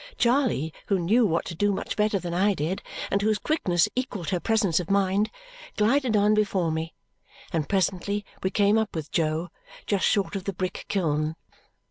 Charley, who knew what to do much better than I did, and whose quickness equalled her presence of mind, glided on before me, and presently we came up with Jo, just short of the brick kiln.